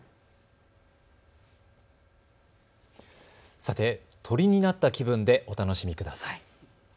さて鳥になった気分でお楽しみください。